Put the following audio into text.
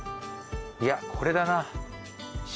いやこれだな塩。